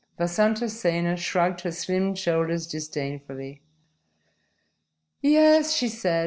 Vasantasena shrugged her slim shoulders disdainfully. "Yes," she said.